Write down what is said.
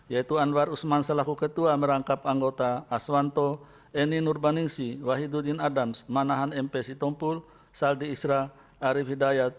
yaitu anwar usman selaku ketua merangkap anggota aswanto eni nurbaningsi wahidudin adams manahan mp sitompul saldi isra arief hidayat